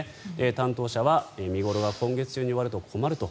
担当者は見頃は今月中に終わると困ると。